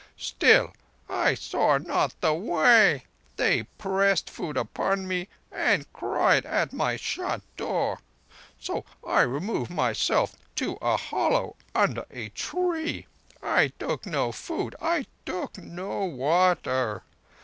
Still I saw not the Way. They pressed food upon me and cried at my shut door. So I removed myself to a hollow under a tree. I took no food. I took no water.